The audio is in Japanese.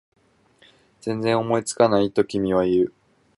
全然思いつかない？と君は言う